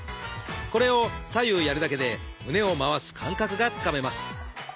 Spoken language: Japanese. これを左右やるだけで胸を回す感覚がつかめます。